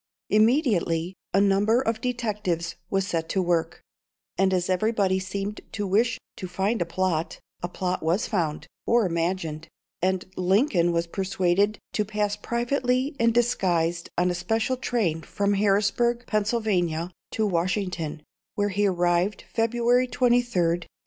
Immediately a number of detectives was set to work; and as everybody seemed to wish to find a plot, a plot was found, or imagined, and Lincoln was persuaded to pass privately and disguised on a special train from Harrisburg, Pennsylvania, to Washington, where he arrived February 23rd, 1861.